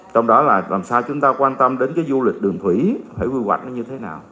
trong đó là làm sao chúng ta quan tâm đến cái du lịch đường thủy phải quy hoạch nó như thế nào